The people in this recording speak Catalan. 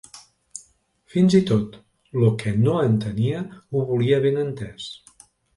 Fins tot lo que no entenia ho volia ben entès